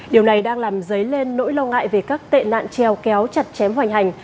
điều này đang làm dấy lên nỗi lo ngại về các tệ nạn treo kéo chặt chém hoành hành